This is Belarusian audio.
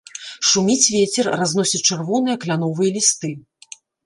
Шуміць вецер, разносіць чырвоныя кляновыя лісты.